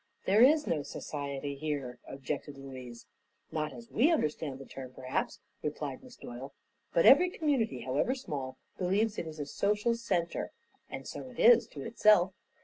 "There is no society here," objected Louise. "Not as we understand the term, perhaps," replied Miss Doyle; "but every community, however small, believes it is a social center; and so it is to itself.